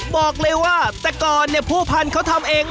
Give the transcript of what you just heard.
บอกเลยว่าแต่ก่อนผู้พันเขาทำเอง